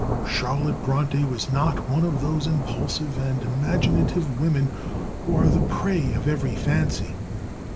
Charlotte Bronte was not one of those impulsive and imaginative women who are the prey of every fancy.